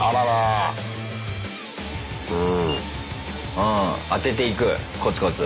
うん当てていくコツコツ。